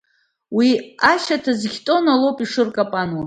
Уи ашьаҭа зқьы тоннала ауп ишыркапануа.